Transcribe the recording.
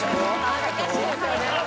恥ずかしいですよね。